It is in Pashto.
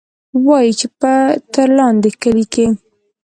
وايي چې پۀ ترلاندۍ کلي کښې